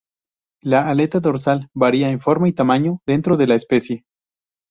La aleta dorsal varía en forma y tamaño dentro de la especie.